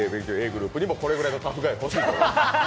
ｇｒｏｕｐにもこれぐらいのタフガイが欲しいと。